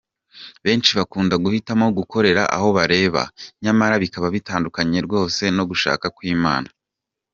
Benshi bakunda guhitamo gukorera aho babareba, nyamara bikaba bitandukanye rwose n’ugushaka kw’Imana.